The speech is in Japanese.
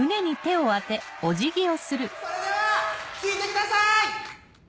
それでは聞いてください！